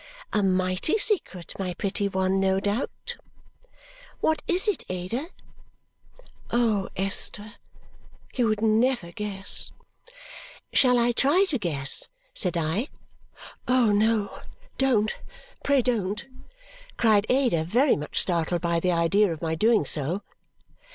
A mighty secret, my pretty one, no doubt! "What is it, Ada?" "Oh, Esther, you would never guess!" "Shall I try to guess?" said I. "Oh, no! Don't! Pray don't!" cried Ada, very much startled by the idea of my doing so.